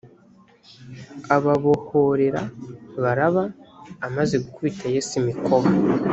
ababohorera baraba amaze gukubita yesu imikoba